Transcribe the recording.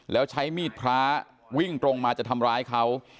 แล้วใช้มีดพระวิ่งตรงมาจะทำร้ายเขา